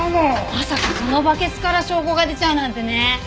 まさかそのバケツから証拠が出ちゃうなんてね。